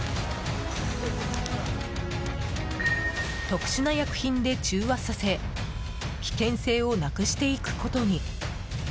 特殊な薬品で中和させ危険性をなくしていくことに。